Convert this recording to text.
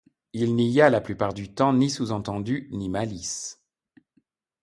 Il n'y a, la plupart de temps, ni sous-entendu, ni malice.